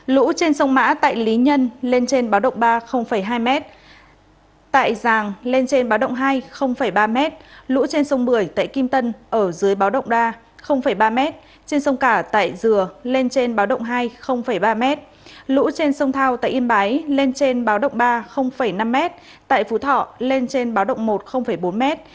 lũ trên sông mã tại lý nhân lên trên báo động ba là hai mét tại giàng lên trên báo động hai là ba mét lũ trên sông bưởi tại kim tân ở dưới báo động ba là ba mét trên sông cả tại dừa lên trên báo động hai là ba mét lũ trên sông thao tại yên bái lên trên báo động ba là năm mét tại phú thọ lên trên báo động một là bốn mét